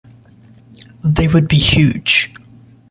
They would be huge.